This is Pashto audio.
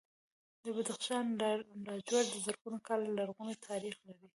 د بدخشان لاجورد زرګونه کاله لرغونی تاریخ لري.